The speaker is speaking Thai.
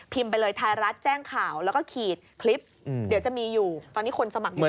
พิมพ์ไปเลยไทรัฐแจ้งข่าวแล้วก็ขีดคลิปเดี๋ยวจะมีอยู่